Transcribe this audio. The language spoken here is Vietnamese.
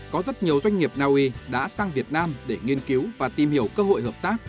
có rất nhiều doanh nghiệp na uy đã sang việt nam để nghiên cứu và tìm hiểu cơ hội hợp tác